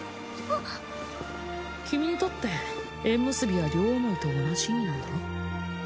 あ君にとって縁結びは両思いと同じ意味なんだろ？